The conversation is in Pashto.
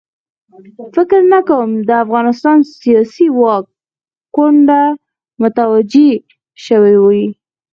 فکر نه کوم د افغانستان سیاسي واک کونډه متوجه شوې وي.